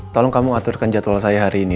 tolong kamu aturkan jadwal saya hari ini